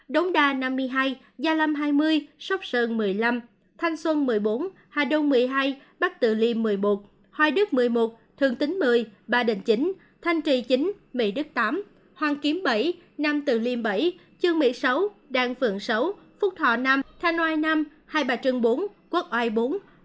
đỗng đà năm mươi hai gia lâm hai mươi sóc sơn một mươi năm thanh xuân một mươi bốn hà đông một mươi hai bắc tự liêm một mươi một hoài đức một mươi một thường tính một mươi ba đình chín thanh trị chín mỹ đức tám hoàng kiếm bảy nam tự liêm bảy chương mỹ sáu đan phượng sáu phúc thọ năm thanh oai năm hai bà trân bốn quốc oai bốn hoàng kiếm bảy đồng anh bốn thạch thất hai sơn tây một